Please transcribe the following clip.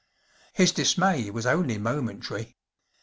His dismay was only momentary.